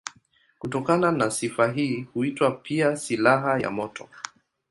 Kutokana na sifa hii huitwa pia silaha ya moto.